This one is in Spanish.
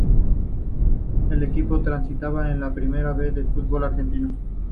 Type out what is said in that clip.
El equipo transitaba la Primera B del fútbol argentino.